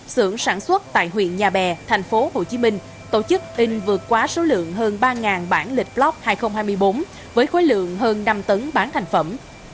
sưởng sản xuất tại huyện nhà bè thành phố hồ chí minh tổ chức in vượt quá số lượng hơn ba bản lịch flop hai nghìn hai mươi bốn với khối lượng hơn năm tấn bán thành phẩm